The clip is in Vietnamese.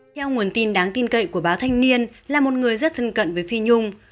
theo nguồn tin đáng tin cậy của báo thanh niên là một người rất thân cận với phi nhung